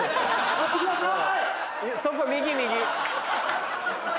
買ってくださいよ！